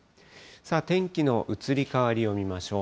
天気の移り変わりを見ましょう。